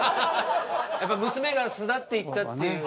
やっぱ娘が巣立っていったっていう。